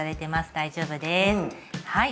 大丈夫ですはい。